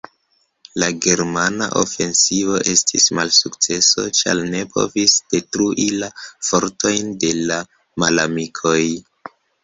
La germana ofensivo estis malsukceso, ĉar ne povis detrui la fortojn de la malamikoj.